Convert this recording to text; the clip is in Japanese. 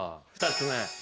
２つ目。